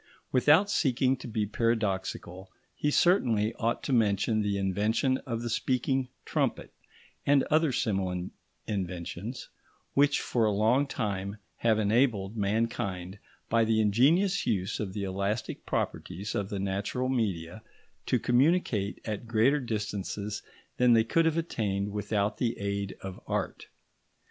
Without seeking to be paradoxical, he certainly ought to mention the invention of the speaking trumpet and other similar inventions which for a long time have enabled mankind, by the ingenious use of the elastic properties of the natural media, to communicate at greater distances than they could have attained without the aid of art.